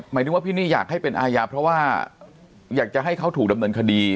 หมายถึงว่าพี่นี่อยากให้เป็นอาญาเพราะว่าอยากจะให้เขาถูกดำเนินคดี